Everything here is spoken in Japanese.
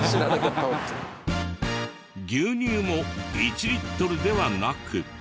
牛乳も１リットルではなく。